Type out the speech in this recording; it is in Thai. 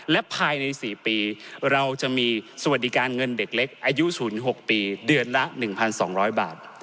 และภายใน๔ปีเราจะมีสวัสดิการเงินเด็กเล็กอายุ๐๖ปีเดือนละ๑๒๐๐บาท